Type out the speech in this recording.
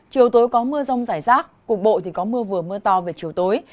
chiều tối có mưa rông rải rác cục bộ thì có mưa vừa mưa to về chiều tối